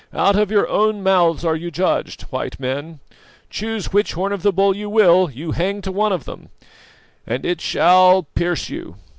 Out of your own mouths are you judged, White Men. Choose which horn of the bull you will, you hang to one of them, and it shall pierce you.